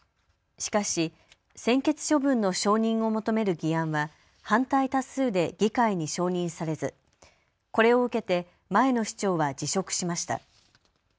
しかし専決処分の承認を求める議案は反対多数で議会に承認されずこれを受けて前の市長は辞職しました。